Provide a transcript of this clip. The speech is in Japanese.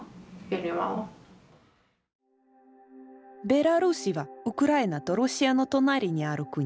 ベラルーシはウクライナとロシアの隣にある国。